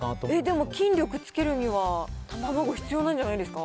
でも、筋力つけるには卵必要なんじゃないですか。